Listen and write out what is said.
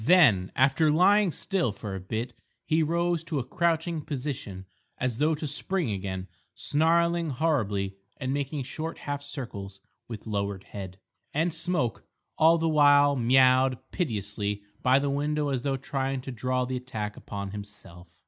Then, after lying still for a bit, he rose to a crouching position as though to spring again, snarling horribly and making short half circles with lowered head. And Smoke all the while meowed piteously by the window as though trying to draw the attack upon himself.